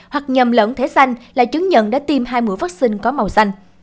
hoặc nhầm lẫn thế xanh là chứng nhận đã tiêm hai mũi vaccine có màu xanh